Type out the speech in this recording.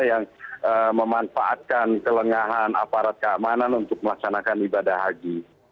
yang memanfaatkan kelengahan aparat keamanan untuk melaksanakan ibadah haji